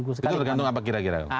itu tergantung apa kira kira